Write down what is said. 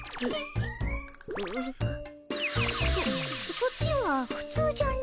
そそっちはふつうじゃのう。